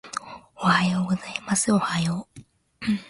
おはようございますおはよう